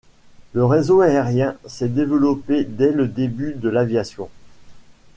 Le réseau aérien s'est développé dès les débuts de l'aviation.